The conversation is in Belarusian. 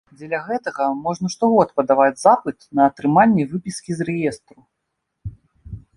Дзеля гэтага можна штогод падаваць запыт на атрыманне выпіскі з рэестру.